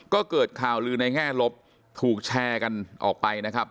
ก็เกิดข่าวลือในแง่ลบถูกแชร์กันออกไปนะครับ